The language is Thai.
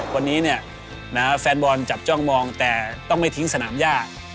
วันนี้แฟนบอลจับจ้องมองแต่ต้องไม่ทิ้งสนามย่า